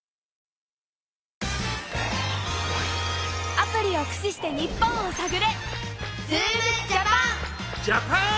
アプリをくしして日本をさぐれ！